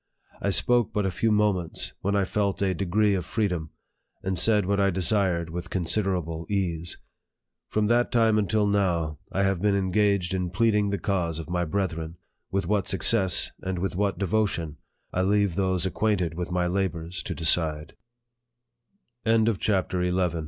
I spoke but a few moments, when I felt a degree of freedom, and said what I desired with considerable ease. From that time until now, I have been engaged in pleading the cause of my brethren with what success, and with what devotion, I leave those acquainted with